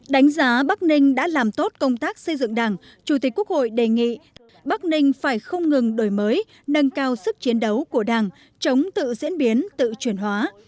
đánh giá bắc ninh đã làm tốt công tác xây dựng đảng chủ tịch quốc hội đề nghị bắc ninh phải không ngừng đổi mới nâng cao sức chiến đấu của đảng chống tự diễn biến tự chuyển hóa